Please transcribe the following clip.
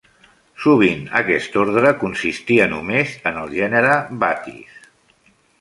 Sovint aquest ordre consistia només en el gènere "Batis".